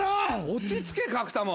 落ち着け角田も。